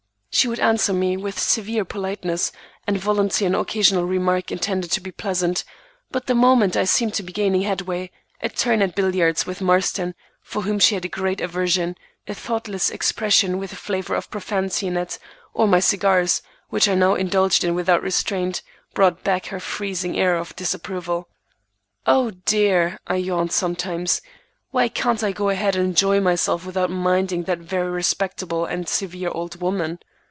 She would answer me with severe politeness, and volunteer an occasional remark intended to be pleasant, but the moment I seemed to be gaining headway, a turn at billiards with Marston, for whom she had a great aversion, a thoughtless expression with a flavor of profanity in it, or my cigars, which I now indulged in without restraint, brought back her freezing air of disapproval. "Oh, dear!" I yawned sometimes, "why can't I go ahead and enjoy myself without minding that very respectable and severe old woman?"